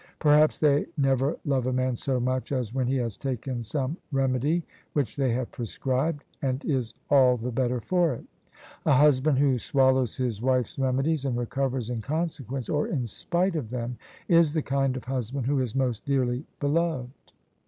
Perhaps they never love a man so much as when he has taken some remedy which they have prescribed, and is all the better for it. A husband who swallows his wife's remedies, and recovers in consequence (or in spite) of them, is the kind of husband who is most dearly beloved.